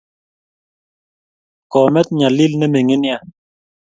Komet nyalil ne mining nea